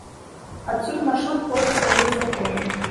Адсюль маршрут пойдзе па вуліцах горада.